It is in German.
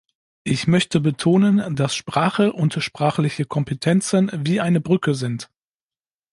Ich möchte betonen, dass Sprache und sprachliche Kompetenzen wie eine Brücke sind.